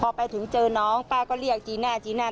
พอไปถึงเจอน้องป้าก็เรียกจีน่าจีน่า